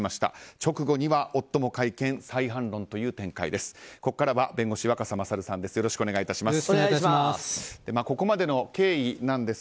直後には夫も会見再反論という展開です。